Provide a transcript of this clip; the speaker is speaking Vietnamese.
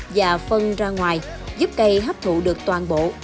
và phân ra ngoài giúp cây hấp thụ được toàn bộ